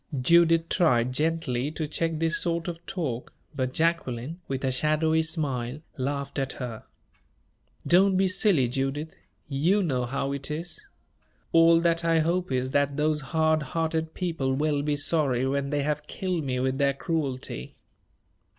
Judith tried gently to check this sort of talk, but Jacqueline, with a shadowy smile, laughed at her. "Don't be silly, Judith you know how it is. All that I hope is, that those hard hearted people will be sorry when they have killed me with their cruelty."